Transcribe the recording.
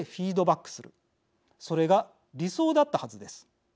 それが理想だったはずです。